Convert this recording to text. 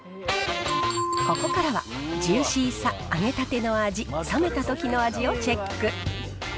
ここからは、ジューシーさ、揚げたての味、冷めたときの味をチェック。